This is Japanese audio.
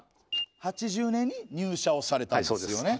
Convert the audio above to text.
８０年に入社をされたんですよね。